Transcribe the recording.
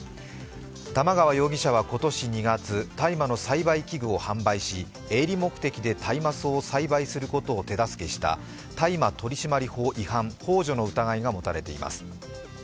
玉川容疑者は今年２月、大麻の栽培器具を販売し営利目的で大麻草を栽培することを手助けした大麻取締法違反ほう助の疑いが持たれています。